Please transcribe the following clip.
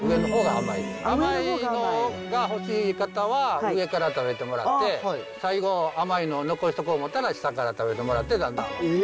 甘いのが欲しい方は上から食べてもらって最後甘いの残しとこう思ったら下から食べてもらってだんだん。